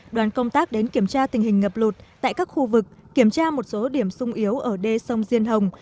đoàn công tác đến kiểm tra tình hình ngập lụt tại các khu vực kiểm tra một số điểm sung yếu ở đê sông diên hồng